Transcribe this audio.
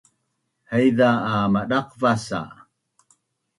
Haiza a madaqvas sa